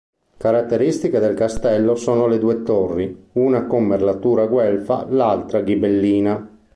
Caratteristiche del castello sono le due torri, una con merlatura guelfa, l'altra ghibellina.